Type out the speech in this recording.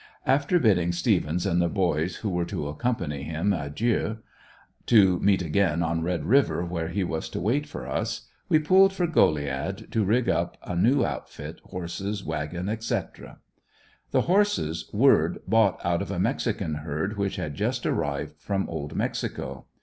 After bidding Stephens and the boys who were to accompany him, adieu, to meet again on Red River where he was to wait for us, we pulled for Goliad to rig up a new outfit, horses, wagon, etc. The horses, Word bought out of a mexican herd which had just arrived from Old Mexico.